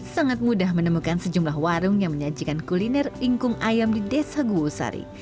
sangat mudah menemukan sejumlah warung yang menyajikan kuliner ingkung ayam di desa guosari